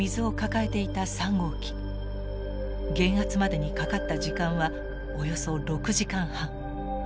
減圧までにかかった時間はおよそ６時間半。